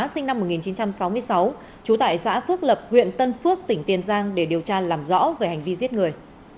sinh năm một nghìn chín trăm sáu mươi sáu trú tại xã phước lập huyện tân phước tỉnh tiền giang để điều tra làm rõ về hành vi giết người